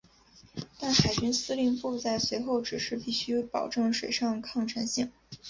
但海军司令部在随后指示必须保证水上抗沉性。